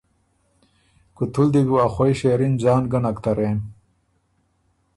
”کُوتُو ل دی بو او خوئ شېرِن ځان ګۀ نک ترېم“